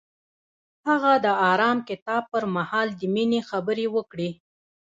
هغه د آرام کتاب پر مهال د مینې خبرې وکړې.